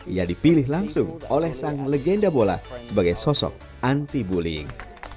ia dipilih langsung oleh sang legenda bola sebagai sosok anti bullying